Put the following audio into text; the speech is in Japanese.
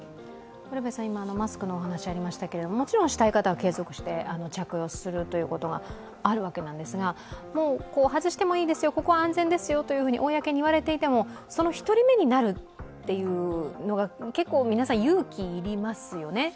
今、マスクのお話がありましたけれども、もちろんしたい方は継続して着用するということがあるわけなんですが外してもいいですよ、ここは安全ですよと公に言われていてもその１人目になるというのが結構皆さん、勇気が要りますよね。